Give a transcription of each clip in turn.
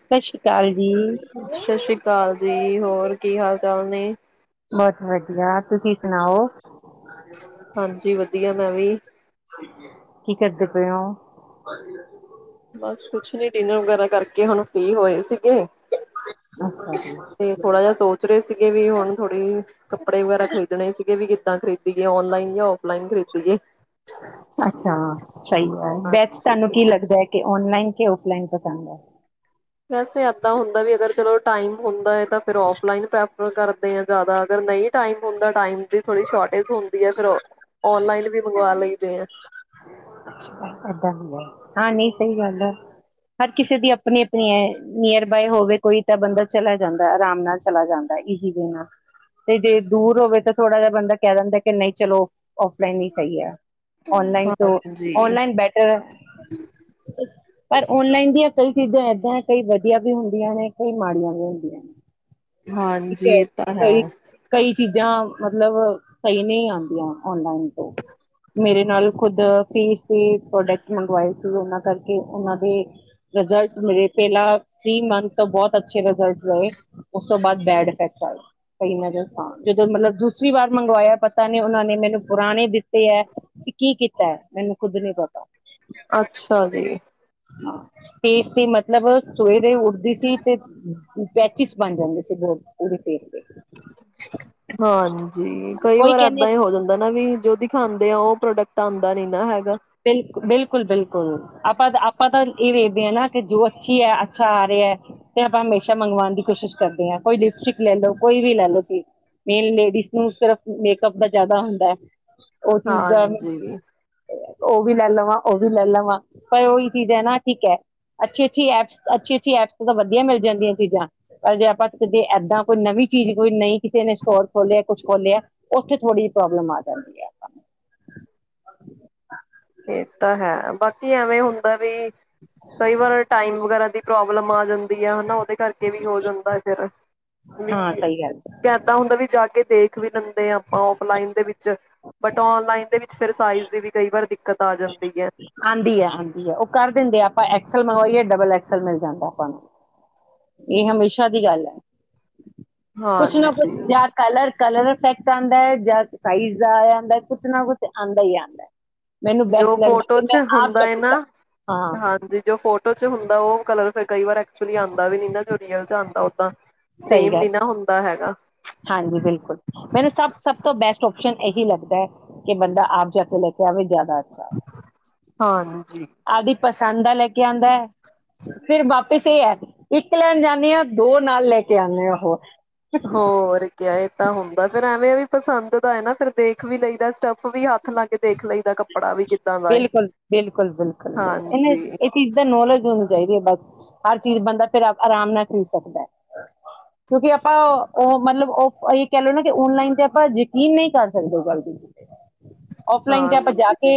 ਸਤਿ ਸ੍ਰੀ ਅਕਾਲ ਜੀ ਸਤਿ ਸ੍ਰੀ ਅਕਾਲ ਜੀ ਹੋਰ ਕੀ ਹਾਲ ਚਾਲ ਨੇ ਬਹੁਤ ਵਧੀਆ ਤੁਸੀਂ ਸੁਣਾਓ ਹਾਂਜੀ ਵਧੀਆ ਮੈਂ ਵੀ ਕੀ ਕਰਦੇ ਪਏ ਔ ਬਸ ਕੁਛ ਨੀ ਡਿਨਰ ਵਗੈਰਾ ਕਰਕੇ ਹੁਣ ਫ੍ਰੀ ਹੋਏ ਸੀਗੇ ਅੱਛਾ ਜੀ ਤੇ ਥੋੜਾ ਜਿਹਾ ਸੋਚ ਰਹੇ ਸੀਗੇ ਵੀ ਹੁਣ ਥੋੜੀ ਕੱਪੜੇ ਵਗੈਰਾ ਖਰੀਦਣੇ ਸੀਗੇ ਵੀ ਕਿੱਦਾਂ ਖਰੀਦੀਏ ਔਨਲਾਈਨ ਜਾਂ ਔਫਲਾਈਨ ਖਰੀਦੀਏ ਅੱਛਾ ਸਹੀ ਬੈਚ ਹਾਂਜੀ ਤੁਹਾਨੂੰ ਕੀ ਲੱਗਦਾ ਔਨਲਾਈਨ ਕਿ ਔਫਲਾਈਨ ਪਸੰਦ ਹੈ ਵੈਸੇ ਏਦਾਂ ਹੁੰਦਾ ਵੀ ਅਗਰ ਚਲੋ ਟਾਈਮ ਹੁੰਦਾ ਹੈ ਤਾਂ ਫਿਰ ਫਲਾਈਨ ਪ੍ਰੈਫਰ ਕਰਦੇ ਹ ਜ਼ਿਆਦਾ ਅਗਰ ਨਹੀਂ ਟਾਈਮ ਹੁੰਦਾ ਟਾਈਮ ਦੀ ਥੋੜ੍ਹੀ ਸ਼ੋਰਟੇਜ ਹੁੰਦੀ ਹੈ ਫਿਰ ਔਨਲਾਈਨ ਵੀ ਮੰਗਵਾ ਲੈਂਦੇ ਆ ਇਦਾਂ ਹੁੰਦਾ ਨਹੀਂ ਸਹੀ ਗੱਲ ਹੈ ਹਰ ਕਿਸੇ ਦੀ ਆਪਣੀ ਆਪਣੀ ਐ ਨੀਅਰ ਬਾਏ ਹੋਵੇ ਕੋਈ ਤਾਂ ਬੰਦਾ ਚਲਾ ਜਾਂਦਾ ਆਰਾਮ ਨਾਲ ਚਲਾ ਜਾਂਦਾ ਇਜੀ ਦੇੇ ਨਾਲ ਤੇ ਜੇ ਦੂਰ ਹੋਵੇ ਤਾਂ ਥੋੜ੍ਹਾ ਜਿਹਾ ਬੰਦਾ ਕਹਿ ਦਿੰਦਾ ਕਿ ਨਹੀਂ ਚਲੋ ਔਫਲਾਈਨ ਹੀ ਸਹੀ ਹੈ ਔਨਲਾਈਨ ਤੋਂ ਹਾਂਜੀ ਔਨਲਾਈਨ ਬੈਟਰ ਹੈ ਪਰ ਔਨਲਾਈਨ ਦੀ ਕਈ ਚੀਜ਼ਾਂ ਏਦਾਂ ਕਈ ਵਧੀਆ ਵੀ ਹੁੰਦੀਆਂ ਨੇ ਕਈ ਮਾੜੀਆਂ ਵੀ ਹੁੰਦੀਆਂ ਨੇ ਠੀਕ ਹਾਂਜੀ ਇਹ ਤਾਂ ਹੈ ਕਈ ਕਈ ਚੀਜ਼ਾਂ ਮਤਲਬ ਸਹੀ ਨਹੀਂ ਆਉਂਦੀਆਂ ਔਨਲਾਈਨ ਤੋਂ ਮੇਰੇ ਨਾਲ ਖੁਦ ਫੀਸ ਦੇ ਪ੍ਰੋਡਕਟ ਮੰਗਵਾਏ ਸੀ ਉਹਨਾਂ ਕਰਕੇ ਉਹਨਾਂ ਦੇ ਰਿਜ਼ਲਟ ਮਿਰੇ ਪਹਿਲਾਂ ਥ੍ਰਰੀ ਮੰਥ ਤੋਂ ਬਹੁਤ ਅੱਛੇ ਰਿਜ਼ਲਟ ਰਹੇ ਉਸ ਤੋਂ ਬਾਅਦ ਬੈਡ ਇਫੈਕਟ ਜਦੋਂ ਮਤਲਬ ਦੂਸਰੀ ਵਾਰ ਮੰਗਵਾਇਆ ਪਤਾ ਨੇ ਉਹਨਾਂ ਨੇ ਮੈਨੂੰ ਪੁਰਾਣੇ ਦਿੱਤੇ ਹੈ ਤੇ ਕੀ ਕੀਤਾ ਹੈ ਮੈਨੂੰ ਖੁੱਦ ਨੀ ਪਤਾ ਅੱਛਾ ਜੀ ਮਤਲਬ ਸਵੇਰੇ ਉੱਠਦੀ ਸੀ ਤੇ ਪੈਚਿਸ ਬਣ ਜਾਂਦੇ ਸੀ ਹਾਂਜੀ ਕਈ ਉਹੀ ਵਾਰ ਕਹਿੰਦੇ ਏਦਾਂ ਹੀ ਹੋ ਜਾਂਦਾ ਨਾ ਵੀ ਜੋ ਦਿਖਾਉਂਦੇ ਆ ਉਹ ਪ੍ਰੋਡਕਟ ਆਉਂਦਾ ਨੀ ਨਾ ਹੈਗਾ ਬਿਲਕੁਲ ਬਿਲਕੁਲ ਬਿਲਕੁਲ ਬਿਲਕੁਲ ਆਪਾਂ ਆਪਾਂ ਤਾਂ ਇਹ ਵੇਖਦੇ ਹਾਂ ਨਾ ਕਿ ਜੋ ਅੱਛੀ ਹੈ ਅੱਛਾ ਆ ਰਿਹਾ ਤੇ ਆਪਾਂ ਹਮੇਸ਼ਾ ਮੰਗਵਾਉਣ ਦੀ ਕੋਸ਼ਿਸ਼ ਕਰਦੇ ਹਾਂ ਕੋਈ ਲਿਪਸਟਿਕ ਲੈ ਲਓ ਕੋਈ ਵੀ ਲੈ ਲਓ ਚੀਜ਼ ਮੇਨ ਲੇਡੀਜ਼ ਨੂੰ ਸਿਰਫ ਮੇਕਅਪ ਦਾ ਜ਼ਿਆਦਾ ਹੁੰਦਾ ਹੈ ਉਹ ਚੀਜ਼ ਦਾ ਹਾਂਜੀ ਉਹ ਵੀ ਲੈ ਲਵਾਂ ਉਹ ਵੀ ਲੈ ਲਵਾਂ ਪਰ ਉਹੀ ਚੀਜ਼ ਹੈ ਨਾ ਠੀਕ ਹੈ ਅੱਛੀ ਅੱਛੀ ਐਪਸ ਅੱਛੀ ਅੱਛੀ ਐਪਸ ਤਾਂ ਵਧੀਆ ਮਿਲ ਜਾਂਦੀਆਂ ਚੀਜ਼ਾਂ ਪਰ ਜੇ ਆਪਾਂ ਏਦਾਂ ਕੋਈ ਨਵੀਂ ਚੀਜ਼ ਕੋਈ ਨ ਕਿਸੇ ਨੇ ਸਟੋਰ ਖੋਲਿਆ ਕੁਛ ਖੋਲਿਆ ਉੱਥੇ ਥੋੜ੍ਹੀ ਜਿਹੀ ਪ੍ਰੋਬਲਮ ਆ ਜਾਂਦੀ ਹੈ ਹਾਂ ਇਹ ਤਾਂ ਹੈ ਬਾਕੀ ਐਵੇਂ ਹੁੰਦਾ ਵੀ ਕਈ ਵਾਰ ਟਾਈਮ ਵਗੈਰਾ ਦੇ ਪ੍ਰੋਬਲਮ ਆ ਜਾਂਦੀ ਹੈ ਹਨਾ ਉਹਦੇ ਕਰਕੇ ਵੀ ਹੋ ਜਾਂਦਾ ਫਿਰ ਵੀ ਹਾਂ ਸਹੀ ਗੱਲ ਇੱਦਾਂ ਹੁੰਦਾ ਵੀ ਜਾ ਕੇ ਦੇਖ ਵੀ ਲੈਂਦੇ ਆਾਂ ਆਪਾਂ ਔਫਲਾਈਨ ਦੇ ਵਿੱਚ ਬਟ ਔਨਲਾਈਨ ਦੇ ਵੀ ਫੇਿਰ ਸਾਈਜ਼ ਦੀ ਵੀ ਕਈ ਵਾਰਖ ਆਜਾ ਆਉਂਦੀ ਆ ਆਉਂਦੀ ਹੈ ਉਹ ਕਰ ਦਿੰਦੇ ਆਪਾਂ ਐਕਸਲ ਮੰਗਵਾਈਏ ਡਬਲ ਐਕਸਲ ਮਿਲ ਜਾਂਦਾ ਆਪਾਂ ਨੂੰ ਇਹ ਹਮੇਸ਼ਾ ਦੀ ਗੱਲ ਹੈ ਕੁਛ ਨਾ ਕੁਛ ਹਾਂਜੀ ਜ ਕਲਰ ਕਲਰ ਇਫੈਕਟ ਆਉਂਦਾ ਹੈ ਜਾਂ ਸਾਈਜ਼ ਦਾ ਆਉਦਾ ਕੁਛ ਨਾ ਕੁਛ ਆਉਂਦਾ ਹੀ ਆਉਂਦਾ ਮੈਨੂੰ ਜੋ ਬੈਸਟ ਲੱਗਦਾ ਫੋਟੋ ਕਿ ਚ ਮੈਂ ਆਪ ਹੁੰਦਾ ਸ਼ੋਪਿੰਗ ਨਾ ਕਰ ਹਾਂ ਹਾਂਜੀ ਜੋ ਫੋਟੋ ਹੁੰਦਾ ਉਹ ਕਲਰ ਫਿਰ ਕਈ ਵਾਰ ਚਲੀ ਆਉਂਦਾ ਵੀ ਨੀ ਨਾ ਰੀਅਲ ਜਾਂਦਾ ਸਹੀ ਗੱਲ ਹਾਂਜੀ ਬਿਲਕੁਲ ਮੈਨੂੰ ਸਭ ਸਭ ਤੋਂ ਬੈਸਟ ਆਪਸ਼ਨ ਇਹੀ ਲੱਗਦਾ ਹੈ ਕਿ ਬੰਦਾ ਆਪ ਜਾ ਕੇ ਲੈ ਕੇ ਆਵੇ ਜਾਂ ਹਾਂਜੀ ਜੀ ਆਪਦੀ ਪਸੰਦ ਦਾ ਲੈ ਕੇ ਆਉਂਦਾ ਹੈ ਫਿਰ ਵਾਪਿਸ ਇਹ ਹੈ ਇੱਕ ਲੈਣ ਜਾਂਦੇ ਹਾਂ ਦੋ ਨਾਲ ਲੈ ਕੇ ਧਿਆਨ ਉਹਹ ਹੋ ਹੋਰਕੇ ਆਏ ਤਾਂ ਹੁੰਦਾ ਫੇਰ ਐਵੇਂ ਵੀ ਪਸੰਦ ਦਾ ਹੈ ਨਾ ਫਰ ਦੇਖ ਵੀ ਲਈ ਦਾ ਸਟੱਫ ਵੀ ਹੱਥ ਲਾ ਕੇ ਦੇਖ ਲਈ ਦਾ ਕੱਪੜਾ ਵੀ ਕਿੱਦਾਂ ਦਾ ਏ ਬਿਲਕੁਲ ਬਿਲਕੁਲ ਬਿਲਕੁਲੁਲ ਇਹਨ ਹਾਂਜੀ ਇਹ ਚੀਜ਼ ਦਾ ਨੌਲੇਜ ਹੁੰ ਚਾਹੀ ਬਸ ਹਰ ਚੀਜ਼ ਬੰਦਾ ਫਿਰ ਆਰਾਮ ਨਾਲ ਖਰੀ ਸਕਦਾ ਕਿਉਂਕਿ ਆਪਾਂ ਉਹ ਮਤਲਬ ਉਹ ਇਹ ਕਹਿ ਲਓ ਨਾ ਕਿ ਓਨਲਾਈਨ ਤੇ ਆਪਾਂ ਯਕੀਨ ਨਹੀਂ ਕਰ ਸਕਦੇ ਜਲਦੀ ਔਫਲਾਈਨ ਤੇ ਆਪਾਂ ਜਾ ਕੇ ਹਾਂਜੀ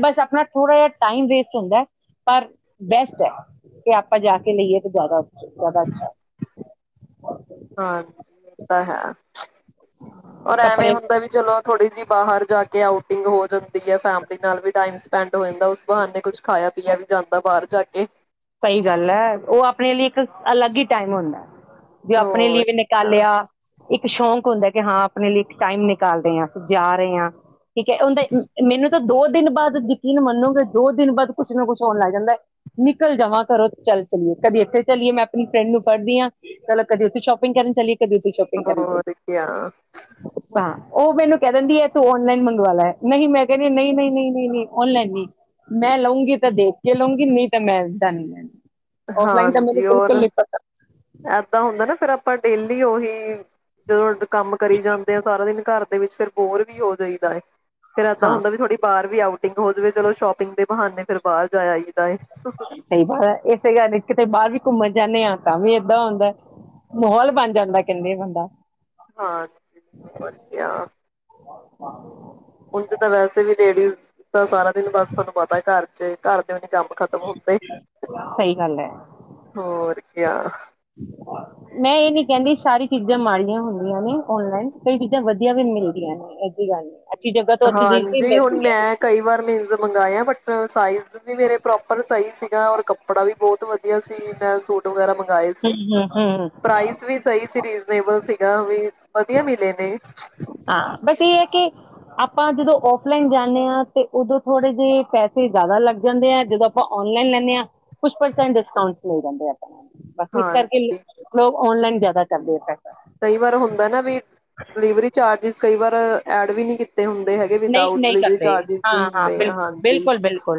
ਬਸ ਆਪਣਾ ਥੋੜ੍ਹਾ ਜਿਹਾ ਟਾਈਮ ਵੇਸਟ ਹੁੰਦਾ ਪਰ ਬੈਸਟ ਹੈ ਕਿ ਆਪਾਂ ਜਾ ਕੇ ਲਈਏ ਤਾਂ ਜ਼ਿਆਦਾ ਜ਼ਿਆਦਾ ਅੱਛਾ ਹਾਂ ਤਾਂ ਹੈ ਐਰ ਐਵੇਂ ਕੱਪੜੇ ਹੁੰਦਾ ਵੀ ਚਲੋ ਥੋੜ੍ਹੀ ਜਿਹੀ ਬਾਹਰ ਜਾ ਕੇ ਆਊਟਿੰਗ ਹੋ ਜਾਂਦੀ ਫੈਮਲੀ ਨਾਲ ਵੀ ਟਾਈਮ ਪਿੰਡ ਹੋ ਜਾਂਦਾ ਉਸ ਬਹਾਨ ਨੇ ਕੁੱਛ ਖਾਇਆ ਪੀਆ ਵੀ ਜਾਂਦਾ ਬਾਹਰ ਜਾ ਕੇ ਸਹੀ ਗੱਲ ਹੈ ਉਹ ਆਪਣੇ ਲਈ ਇੱਕ ਅਲੱਗ ਹੀ ਟਾਈਮ ਹੁੰਦਾ ਵੀ ਆਪਣੇ ਹੋਰ ਲਈ ਵੀ ਕਿਆ, ਨਿਕਾਲਿਆ ਇੱਕ ਸ਼ੌਕ ਹੁੰਦਾ ਕਿ ਹਾਂ ਆਪਣੇ ਲਈ ਇੱਕ ਟਾਈਮ ਨਿਕਾਲ ਰਹੇ ਹ ਅਸੀਂ ਜਾ ਰਹੇ ਹਾਂ ਠੀਕ ਹੈ ਉਹਦਾ ਮੈਨੂੰ ਤਾਂ ਦੋ ਦਿਨ ਬਾਅਦ ਯਕੀਨ ਮੰਨੋਗੇ ਦੋ ਦਿਨ ਬਾਅਦ ਕੁਛ ਨਾ ਕੁਛ ਹੋਣ ਲੱਗ ਜਾਂਦਾ ਜਮ੍ਹਾਂ ਕਰੋ ਚੱਲ ਚੱਲਏ ਕਦੀ ਇੱਥੇ ਚੱਲੀਏ ਮੈਂ ਆਪਣੀ ਫਰੈਂਡ ਨੂੰ ਪੜ੍ਹਦੀ ਹਾਂ ਚਲ ਕਦੇ ਉੱਥੇ ਸ਼ੋਪਿੰਗ ਕਰਨ ਚਲੀਏ ਬ ਸ਼ੋਪਿੰਗ ਕਰਨ ਹੋਰ ਕਿਆ ਹਾਂ ਉਹ ਮੈਨੂੰ ਕਹਿ ਦਿੰਦੀ ਇਹ ਤੂੰ ਔਨਲਾਈਨ ਮੰਗਵਾ ਲੈ ਨਹੀਂ ਮੈਂ ਕਹਿੰ ਨਹੀਂ ਨਹੀਂ ਨਹੀਂ ਨਹੀਂ ਨਹੀਂ ਔਨਲਾਈਨ ਨਹੀਂ ਮੈਂ ਲਊਂਗੀ ਤਾਂ ਦੇਖ ਕੇ ਲਊਂਗੀ ਨਹੀਂ ਤਾਂ ਮੈਂ ਦਾਂ ਨੀ ਲ ਹਾਂਜੀ ਹੋਰ ਏਦਾਂ ਹੁੰਦਾ ਨਾ ਫਿਰ ਪਰ ਡੇਲੀ ਉਹੀ ਜਦੋਂ ਕੰਮ ਕਰੀ ਜਾਂਦੇ ਆ ਸਾਰਾ ਦਿਨ ਘਰ ਵਿੱਚ ਫਿਰ ਬੋਰ ਵੀ ਹੋ ਜਾਈਦਾ ਫੇਰ ਇਏਦਾਂ ਹਾਂ ਹੁੰਦਾ ਵੀ ਥੋੜੀ ਬਾਹਰ ਵੀ ਆਊਟਿੰਗ ਹੋ ਜਾਵੇ। ਚਲੋ, ਸ਼ੋਪਿੰਗ ਦੇ ਬਹਾਨੇ ਫੇਰ ਬਾਹਰ ਜਾ ਆਈਏ। ਸਹੀ ਬ ਹੈ, ਇਸੇ ਗੱਲ ਲਈ ਕਿਤੇ ਬਾਹਰ ਵੀ ਘੁੰਮਣ ਜਾਂਨੇ ਹਾਂ ਤਾਂ ਵੀ ਏਦਾਂ ਹੁੰਦਾ। ਮਾਹੌਲ ਬਣ ਜਾਂਦਾ ਕਹਿੰਦੇ ਬੰਦਾ। ਹਾਂ, ਵਧੀਆ [inaudible] ਹੁਣ ਜਿਦਾਂ ਵੈਸੇ ਵੀ ਲੇਡੀਜ਼, ਤਾਂ ਸਾਰਾ ਦਿਨ ਬਸ ਤੁਹਾਨੂੰ ਪਤਾ ਘਰ ਚ, ਘਰ ਦੇ ਨੀ ਕੰਮ ਖਤਮ ਹੁੰਦੇ। ਸਹੀ ਗੱਲ ਹੈ ਹੋਰ ਕਿਆ। ਮੈਂ ਇਹ ਨੀ ਕਹਿੰਦੀ, ਸਾਰੀ ਚੀਜ਼ਾਂ ਮਾੜੀਆਂ ਹੁੰਦੀਆਂ ਨੇ, ਔਨਲਾਈਨ। ਕਈ ਚੀਜ਼ਾਂ ਵਧੀਆ ਵੀ ਮਿਲਦੀਆਂ ਨੇ। ਇਹੀ ਜੀ ਗੱਲ ਨੀ। ਹਾਂਜੀ, ਹੁਣ ਮੈਂ, ਕਈ ਵਾਰ ਮੀਨਜ਼ ਮੰਗਾਏ ਏ ਬਟ ਏ ਸਾਈਜ [unintelligible] ਵੀ ਮੇਰੇ ਪ੍ਰੋਪਰ ਸਹੀ ਸੀ। ਮੈ, ਔਰ ਕੱਪੜਾ ਵੀ ਬਹੁਤ ਵਧੀਆ ਸੀ। ਮੈਂ ਸੂਟ ਵਗੈਰਾ ਮੰਗ ਗਾਏ ਸੀ, ਹਮ ਹਮ ਹਮ ਪ੍ਰਾਈਸ ਵੀ ਸਹੀ ਸੀ ਰੀਜਨੇਬਲ ਸੀ। ਕਿਹਾ ਵੀ ਵਧੀਆ ਮਿਲੇ ਨੇ ਹਾਂ। ਬਸ ਇਹ ਹੈ ਕਿ ਆਪਾਂ ਜਦੋਂ ਔਫਲਾਈਨ ਜਾਨੇ ਆ ਤੇ ਉਦੋਂ ਥੋੜੇ ਜੇ ਪੈਸੇ ਜ਼ਿਆਦਾ ਲੱਗ ਜਾਂਦੇ ਆ। ਜਦੋਂ ਆਪਾਂ ਓਨਲਾਈਨ ਲੈਂਦੇ ਹਾਂ, ਕੁਛ ਪਰਸੈਂਟ ਡਿਸਕਾਊਂਟ ਮਿਲ ਜਾਂਦੇ ਆ। ਬਾਕੀ, ਇਸ ਕਰਕੇ ਹਾਂਜੀ ਲੋ ਲੋਕ ਔਨਲਾਈਨ ਜ਼ਿਆਦਾ ਕਰਦੇ ਆ [unintelligible] ਕਈ ਵਾਰ ਹੁੰਦਾ ਨਾ ਵੀ, ਡਿਲੀਵਰੀ ਚਾਰਜਿਸ ਕਈ ਵਾਰ, ਐਡ ਵੀ ਨਹੀਂ ਕੀਤ ਨਹੀਂ-ਨਹੀਂ ਕਰਦੇ। ਵੀ ਹਾਂ-ਹਾਂ, ਹੁੰਦੇ ਆ ਬਿਲਕੁਲ, ਹਾਂਜੀ ਬਿਲਕੁਲ -ਬਿਲਕੁਲ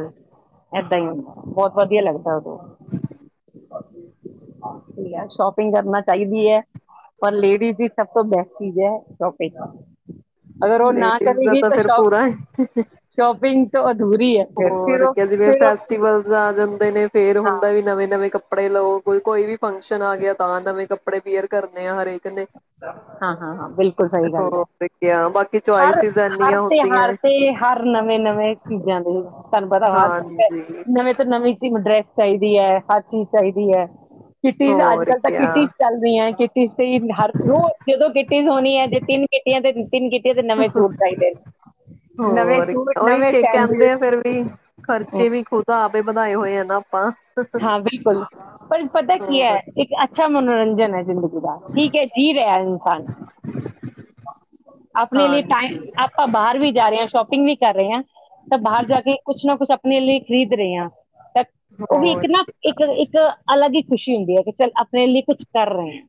ਏਦਾਂ ਹੀ ਹੁੰਦਾ। ਬਹੁਤ ਵਧੀਆ ਲੱਗਦਾ ਉਦੋਂ ਸ਼ੋਪਿੰਗ ਕਰਨਾ ਚਾਹੀਦੀ ਹੈ ਪਰ ਲੇਡੀਜ਼ ਦੀ ਸਭ ਤੋਂ ਬੈਸਟ ਚੀਜ਼ ਹੈ, ਸ਼ੋਪਿੰਗ। ਅਗਰ ਉਹ ਨਾ ਕਰੂਗੀ ਫੇਰ ਪੂਰਾ ਏ। ਹੀਹੀਹੀ ਭੋਗ ਹੋਰ ਕਿਆ, ਜਿਵੇਂ ਫੈਸਟੀਵਲ ਆ ਜਾਂਦੇ ਨੇ ਫੇਰ ਹੁੰਦਾ ਹਾਂ ਵੀ, ਨਵੇਂ-ਨਵੇਂ ਕੱਪੇ ਕੱਪੜੇ ਲਓ। ਜੇ ਕੋਈ ਵੀ ਫੰਕਸ਼ਨ ਆ ਗਿਆ ਤਾਂ ਨਵੇਂ ਕੱਪੜੇ ਵੀਅਰ ਕਰਨੇ ਆ, ਹਰੇਕ ਨੇ ਹਾਂ-ਹਾਂ-ਹਾਂ, ਬਿਲਕੁਲ ਸਹੀ ਗੱਲ ਹੈ। ਹੋਰ ਕਿਆ ਬਾਕੀ ਚੋਇਸਿਸ ਹਰ-ਹਰ ਇੰਨੀਆਂ ਤਿਉਹਾਰ ਹੁੰਦੀਆਂ ਤੇ ਹਰ ਨਵੇਂ-ਨਵੇਂ ਬਰੈਂਡ ਵੀ ਨੇ। ਤੁਹਾਨੂੰ ਪਤਾ ਹਾਂਜੀ [unintelligible] ਨਵੇਂ ਤੋਂ ਨਵੀਂ ਚੀਜ਼, ਡਰੈਸ ਚਾਹੀਦੀ ਏ, ਹਰ ਚੀਜ਼ ਚਾਹੀਦੀ ਏ। ਕਿਟੀਜ਼, ਹੋਰ ਅੱਜ-ਕੱਲ ਤਾਂ ਕਿਆ ਕਿਟੀਜ਼ ਚੱਲ ਰਹੀ ਹੈ। ਕਿਟੀਜ਼ ਤੇ ਰੋ ਜਦੋਂ ਗਿੱਟੀ ਹੋਣੀ ਹੈ, ਗਿੱਟੀ ਨੂੰ ਦੇਖਣਾ [unintelligible] ਨਵੇਂ ਔਰ ਸੂਟ ਉਹੀ ਨਵੇਂ ਸੈਂਡਲ ਕਹਿੰਦੇ ਆ ਫਿਰ ਵੀ ਖਰਚੇ ਵੀ ਖੁਦ ਆਪ ਹੀ ਵਧਾਏ ਹੋਏ ਆ ਨਾ ਆਪਾਂ। ਹਾਂ ਬਿਲਕੁਲ ਪਰ ਪਤਾ ਕੀ ਹੈ। ਹੋਰ ਇੱਕ ਅੱਛ ਅੱਛਾ ਮਨੋਰੰਜਨ ਹੈ ਜ਼ਿੰਦਗੀ ਚ ਠੀਕ ਹੈ। ਜੀ ਰਿਹਾ ਇਨਸਾਨ ਆਪਣੇ ਲਈ ਟਾਈਮ ਹਾਂਜੀ ਆਪਾਂ ਬਾਹਰ ਵੀ ਜਾ ਰਹੇ ਹਾਂ ਸ਼ੋਪਿੰਗ ਵੀ ਕਰ ਰਹੇ ਹਾਂ। ਤਾਂ ਬਾਹਰ ਜਾ ਕੇ ਕੁੱਛ ਨਾ ਕੁੱਛ ਮਨ ਲਈ ਖਰੀਦ ਰ ਆ ਉਹ ਵੀ ਇੱਕ ਹੋਰ ਨਾ ਇੱਕ ਇੱਕ ਅਲੱਗ ਖੁਸ਼ੀ ਹੁੰਦੀ ਹੈ। ਕਿ ਚੱਲ ਆਪਣੇ ਲਈ ਕੁੱਛ ਕਰ ਰਹੇ।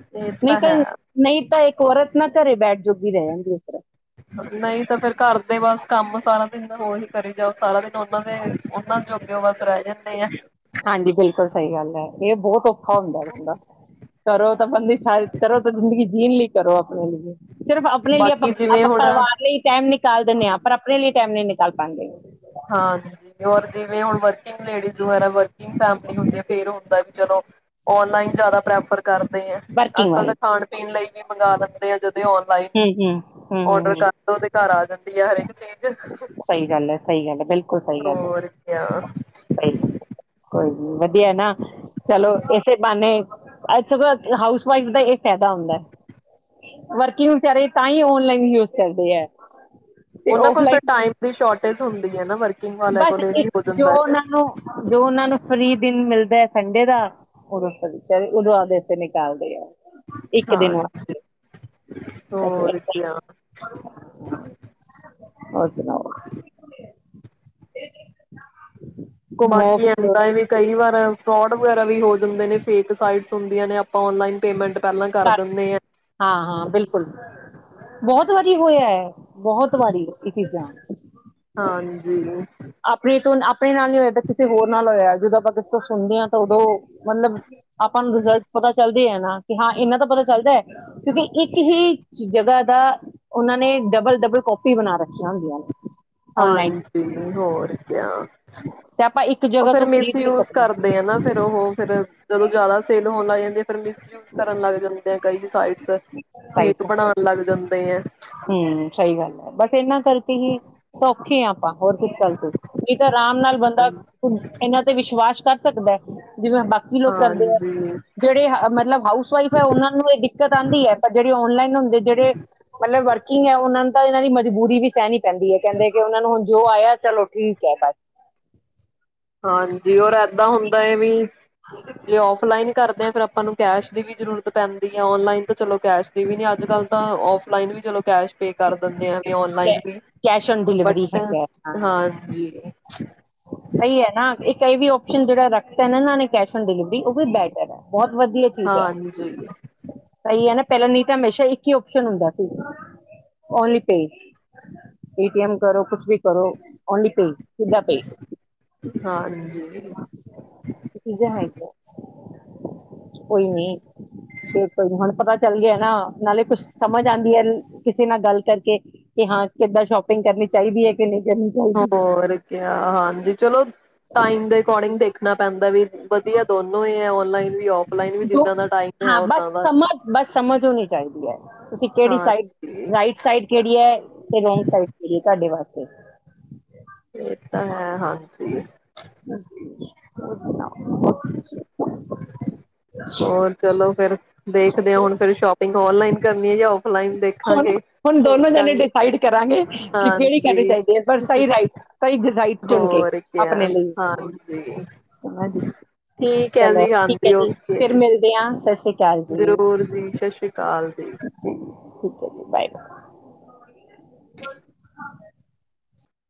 ਇਹ ਨਹੀਂ ਤਾਂ ਹੈ। ਨਹੀਂ ਤਾਂ ਇੱਕ ਔਰਤ ਨਾ ਘਰੇ ਬੈਠ ਜੋਗੀ ਰਹਿ ਜਾਂਦੀ ਇਸ ਤਰ੍ਹਾਂ ਨਹੀਂ ਤਾਂ ਫੇਰ ਘਰ ਦੇ ਬਸ ਕੰਮ ਸਾਰਾ ਜ਼ਿੰਦਗੀ ਚ ਉਹ ਹੀ ਕਰੇ ਜਾ ਸਾਰਾ ਦਿਨ। ਉਹਨਾਂ ਨੇ ਹਾਂਜੀ। ਬਿਲਕੁਲ ਸਹੀ ਗੱਲ ਹੈ। ਇਹ ਬਹੁਤ ਔਖਾ ਹੁੰਦਾ ਬਦਾ [unintelligible] ਕਰੋ ਤਾਂ ਜਿੰਦਗੀ ਜੀ ਚਲੋ ਆਪਣੇ ਲਈ ਸਿਰਫ ਆਪਣੇ ਲਈ ਆਪਾਂ, ਬਾਕੀ ਜਿਵੇਂ ਆਪਾਂ ਹੁਣ ਪਰਿਵਾਰ ਲਈ ਟਾਈਮ ਨਈ। ਚਲ ਦਿੰਦੇ ਹਾਂ ਪਰ ਆਪਣੇ ਲਈ ਟਾਈਮ ਨਹੀਂ ਨਿਕਲ ਪਾਉਂਦੇ। ਹਾਂਜੀ ਔਰ ਜਿਵੇਂ ਹੁਣ ਲੇਡੀ ਦੁਬਾਰਾ ਵਰਕਿੰਗ ਤਾਂ ਆਪਣੇ ਹੁੰਦੇ ਆ ਫਿਰ ਵੀ ਚਲੋ ਔਨਲਾਈਨ ਜ਼ਿਆਦਾ ਪ੍ਰੈਫਰ ਕਰਦੇ ਆ। ਵਰਕਿੰਗ ਅੱਜ, ਕੱਲ ਵਾਲੇ ਤਾਂ ਖਾਣ ਪੀਣ ਲਈ ਵੀ ਮੰਗ ਦਿੰਦੇ ਆ ਜਦੋਂ ਆ ਹੂੰ ਹੂੰ ਹੂੰ ਹੂੰ ਔਡਰ ਕਰ ਦਿਓ ਤੇ ਘਰ ਆ ਜਾਂ। ਹਰੇਕ ਚੀਜ਼ ਕਹੀ ਗੱਲ। ਬਿਲਕਲ। ਕੋਈ ਸਹੀ ਗੱਲ ਹੈ ਹੋਰ ਕਿਆ ਸਹੀੱ ਕੋਈ ਵਧੀਆ ਨਾ। -ਚਲੋ ਇਸੇ ਬਾਨੇ ਅੱਜ ਹਾਊਸ ਵਾਈਫ ਦਾ ਇਹ ਫਾਇਦਾ ਹੁੰਦਾ ਹੈ ਵਰਕਿੰਗ ਵਿਚਾਰੇ ਤਾਂ ਹੀ ਓਨਲਾਈਨ ਯੂਜ ਕਰਦੇ ਹੈ ਤੇ ਉਹਨਾਂ ਕੋਲ ਫਿਰ ਔਫਲਾਈਨ ਟਮ ਸ਼ੋਰਟੇਜ ਹੁੰਦੀ ਹੈ ਨਾ ਵਰਕ ਬਸ ਇੱਕ ਜੋ ਉਹਨਾਂ ਨੂੰ ਜੋ ਉਹਨਾਂ ਨੂੰ ਫਰੀ ਦਿਨ ਮਿਲਦਾ ਸੰਡੇ ਦਾ ਉਦ ਫ ਉਦੋਂ ਆਪਦੇ ਇਥੇ ਨਿਕਾਲਦੇ ਆ ਇੱਕ ਦਿਨ ਹੋਰ ਹਾਂਜੀ ਹੋਰ ਕਿਆ ਔਰ ਸੁਣਾਓ ਮਿਲਦਾ ਬਾਕੀ ਇਦਾ ਵੀ ਕਈ ਵਾਰ ਫਰੋਡ ਵਗੈਰਾ ਵੀ ਹੋ ਹੁੰਦੇ ਨੇ ਫੇਕ ਸਾਈਟਸ ਹੁੰਦੀਆਂ ਨੇ ਆਪਾਂ ਔਨਲਾਈਨ ਪੇਮੈਂਟ ਪਹਿਲਾਂ ਕਰ ਦਿੰਦੇ ਹਾਂ ਹਾਂ ਬਿਲਕੁਲ ਬਹੁਤ ਵਧੀਆ ਹੋਇਆ ਹੈ ਬਹੁਤ ਵਾਰੀਚੀਜ਼ਾਂ ਹਾਂਜੀ ਆਪਣੇ ਤੋਂ ੇ ਨਾਲ ਹੀ ਹੋਇਆ ਕਿਸੇ ਹੋਰ ਨਾਲ ਹੋਇਆ ਜਦੋਂ ਆਪਾਂ ਕਿਸ ਤੋਂ ਸੁਣਦੇ ਹਾਂ ਤਾਂ ਉਦੋਂ ਮਤਲਬ ਆਪਾਂ ਨੂੰ ਰਿਜ਼ਲਟ ਪਤਾ ਚੱਲ ਕਿ ਹਾਂ ਇੰਨਾ ਤਾਂ ਪਤਾ ਚੱਲਦਾ ਹੈ ਕਿਉਂਕਿ ਇੱਕ ਹੀ ਜਗ੍ਹਾ ਦਾ ਉਹਨਾਂ ਨੇ ਡਬਲ ਡਬਲ ਕਪੀ ਬਣਾ ਰੱਖੀਆਂ ਹੁੰਦੀਆਂ ਨੇ ਔਨਲਾਈਨ ਹਾਂਜੀ ਹੋਰ ਕਿਆ ਤੇ ਆਪਾਂ ਇੱਕ ਉਹ ਜਗ੍ਹਾ ਫਿਰ ਤੋਂ ਖਰੀਦ ਨਹੀਂ ਮਿਸਯੂਜ ਸਕਦੇ ਕਰਦੇ ਆ ਨਾ ਫਿਰ ਉਹ ਫਿਰ ਜਦੋਂ ਜਿਆਦਾ ਸੇਲ ਹੋਣ ਲੱਗ ਜਾਂਦੇ ਆ ਫ ਮਿਸਯੂਜ ਕਰਨ ਲੱਗ ਜਾਂਦੇ ਆ ਕਈ ਸਾਈਟ ਫੇਕ ਬਣਾਾਨ ਲੱਗ ਜਾਂਦੇ ਆ ਹਮ ਸਹੀ ਗੱਲ ਹੈ ਬਸ ਇਹਨਾਂ ਕਰਕੇ ਹੀ ਸੌਖੇ ਆ ਆਪ ਹੋਰ ਕੁਛ ਚੱਲਤ ਨਹੀਂ ਤਾਂ ਆਰਾਮ ਨਾਲ ਬੰਦਾ ਇਹਨਾਂ ਤੇ ਵਿਸ਼ਵਾਸ ਕਰ ਸਕਦਾ ਜਿਵੇਂ ਬਾਕੀ ਲੋਕ ਕਰਦੇ ਆ ਹਾਂਜੀ, ਜਿਹੜੇ ਮਤਲਬ ਹਾਊਸ ਵਈਫ ਹੈ ਉਹਨਾਂ ਨੂੰ ਇਹ ਦਿੱਕਤ ਆਉਂਦੀ ਹੈ ਪਰ ਜਿਹੜੇ ਔਨਲਾਈਨ ਹੁੰਦੇ ਜਿਹੜੇ ਮਤਲਬ ਵਰਕਿੰਗ ਹੈ ਤਾਂ ਇਹਨਾਂ ਦੀ ਮਜਬੂਰੀ ਵੀ ਸੈਨ ਪੈਂਦੀ ਹੈ ਕਹਿੰਦੇ ਕਿ ਉਹਨਾਂ ਨੂੰ ਹ ਜੋ ਆਇਆ ਚਲ ਠੀਕ ਹੈ ਬਸ ਹਾਂਜੀ ਔਰ ਏਦਾਂ ਹੁੰਦਾ ਏ ਵੀ ਜੇ ਫਲਾਈਨ ਕਰਦੇ ਆ ਫੇਿਰ ਆਪਾਂ ਨੂੰ ਕਾਸ਼ ਦੀ ਵੀ ਜ਼ਰੂਰਤ ਪੈਂਦੀ ਆ ਔਨਲਾਈਨ ਤਾਂ ਚਲੋ ਕੈਸ਼ ਵੀ ਨ ਅੱਜ ਕੱਲ ਤਾਂ ਆਫਲੈਣ ਵੀ ਚਲੋ ਕੈਸ਼ ਪੇ ਕਰ ਦਿੰਦੇ ਆ ਕੈ ਓਣਲਾਈਨ ਵੀ ਕੈਸ਼ ਔਨ ਡਿਲੀਵਰੀ ਬਟ ਹੈਗਾ ਹਾਂ ਹਾਂਜੀ ਸਹੀ ਹੈ ਨਾ ਇੱਕ ਇਹ ਵੀ ਓਪਸ਼ਨ ਜਿਹੜਾ ਰੱਖਤਾ ਨਾ ਇਹਨਾਂ ਨੇ ਕੈਸ਼ ਡਿਲੀਵਰੀ ਉਹ ਵੀ ਬੈਟਰ ਹੈ ਬਹੁਤ ਵਧੀਆ ਚੀਜ਼ ਹੈ ਹਾਂਜੀ ਸਹੀ ਹੈ ਨਾ ਪਹਿਲਾਂ ਨਹੀਂ ਹਮੇਸ਼ਾ ਇੱਕ ਹੀ ਓਪਸ਼ਨ ਹੁੰਦਾ ਸੀ ਓਨਲੀ ਪੇਜ ਏਟੀਐਮ ਕਰੋ ਕੁਛ ਵੀ ਕਰੋ ਓਨਲੀ ਦਾ ਪੇਕਜ ਹਾਂਜੀ ਹੈ ਕੋਈ ਨੀ ਕੋਈ ਹੁਣ ਪਤਾ ਚੱਲ ਗਿਆ ਨਾ ਨਾਲੇ ਕੁਛ ਸਮਝ ਆਉਂਦੀ ਹੈ ਕਿਸੇ ਨਾਲ ਗੱਲ ਕਰਕੇ ਕਿ ਹਾਂ ਕਿੱਦਾਂ ਸ਼ੋਪਿੰਗ ਕਰਨੀ ਚਾਹੀਦੀ ਹੈ ਕਿ ਨਹੀਂ ਕਰਨੀ ਚਾਹੀਦੀ ਹੋਰ ਹਾਂਜੀ ਚਲੋ ਟਾਈਮ ਦੇ ਅਕੋਰਡਿੰਗ ਦੇਖ ਦੱਸਣਾ ਪੈਂਦਾ ਵਧੀਆ ਦੋਨੋ ਹੀ ਹੈੁ ਵੀ ਔਫਲਾਈਨ ਵੀ ਜਿੱਦਾਂ ਦਾ ਟਾਈਮ ਹੈ ਹਾਂ ਬਸ ਓਦਾਂ ਦਾ ਸਮਝ ਬਸ ਸਮਝ ਹੋਣੀ ਚਾਹੀਦੀ ਹੈ ਤੁਸੀਂ ਕਿਹੜੀ ਸਾਈਡ ਹਾਂਜੀ ਰਾਈਟ ਸਾਈਡ ਕਿਹੜੀ ਹੈ ਤੇ ਰੋਂਗ ਸਾਈਡ ਕਿਹੜੀ ਹੈ ਤੁਹਾਡੇ ਵਾਸਤੇ ਤੇ ਇਹ ਤਾਂ ਹੈ ਹਾਂ ਅ ਹ [unintelligible] ਹੋਰ ਚਲੋ ਫੇਰ ਦੇਖਦੇ ਹੋ ਹੁਣ ਫਿਰ ਸ਼ੋਪਿੰਗ ਔਨਲਾਈਨ ਕਰਨੀ ਹੈ ਜਾ ਹੁਣ ਹੁਣ ਦੋਨੋ ਜਾਣੇ ਡਿਸਾਈਡ ਕਰਾਂਗੇ ਕਿ ਕਿਹੜੀ ਕਰਨੀ ਹਾਂਜੀ ਚਾਹੀਦੀ ਹੈ ਪਰ ਸਹੀ ਰ ਸਹੀ ਰਾਈਟ ਚੁਣ ਕੇ ਹੋਰ ਕਿਆ ਆਪਣੇ ਲਈ ਹਾਂਜੀ। ਜ ਠੀਕ ਹੈ ਚਲੋ ਜੀ ਠੀਕ ਹੈ ਹਾਂਜੀ ਜੀ ਓਕੇ ਫਿਰ ਮਿਲਦੇ ਹਾਂ ਸਤਿ ਸ੍ਰੀ ਅਕਾਲ ਜੀ ਜ਼ਰੂਰ ਜੀ ਸਤਿ ਸ੍ਰੀ ਅਕਾਲ ਜੀ ਠੀਕ ਹ ਜੀ ਬਾਏ ਜੀ ਬਾਏ